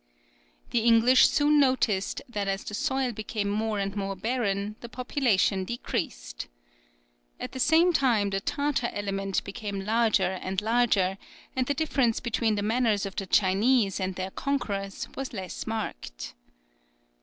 The English soon noticed that as the soil became more and more barren, the population decreased. At the same time the Tartar element became larger and larger, and the difference between the manners of the Chinese and their conquerors was less marked.